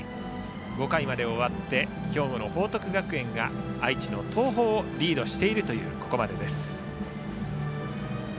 ５回まで終わって兵庫の報徳学園が愛知の東邦をリードしているここまでです。